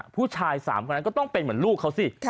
ผู้ชาย๓คนนั้นก็ต้องเป็นเหมือนลูกเขาสิ